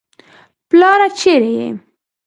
پلاره چېرې يې.